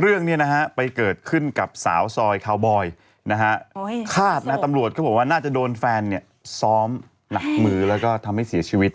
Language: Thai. เรื่องนี้ไปเกิดขึ้นกับสาวซอยคาวบอยคาดตำรวจเขาบอกว่าน่าจะโดนแฟนซ้อมหนักมือแล้วก็ทำให้เสียชีวิต